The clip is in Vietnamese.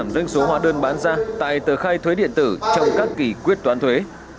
bố hóa đơn bán ra tại tờ khai thuế điện tử trong các kỷ quyết toán thuế